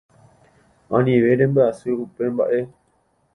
anive rembyasy upe mba'e